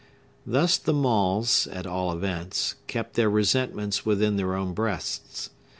Thus the Maules, at all events, kept their resentments within their own breasts.